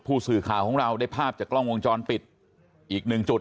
ผู้สื่อข่าวของเราได้ภาพจากกล้องวงจรปิดอีกหนึ่งจุด